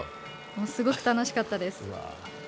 すごく楽しかったです。